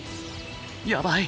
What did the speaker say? やばい！